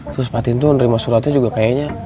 terus patin tuh nerima suratnya juga kayaknya